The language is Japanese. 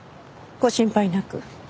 ご心配なく。